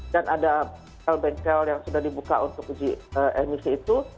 dan ada lbkl yang sudah dibuka untuk uji emisi itu